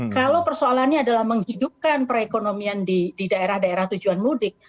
kalau persoalannya adalah menghidupkan perekonomian di daerah daerah tujuan mudik